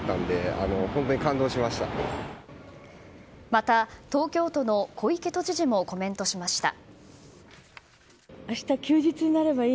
また、東京都の小池都知事もコメントしました。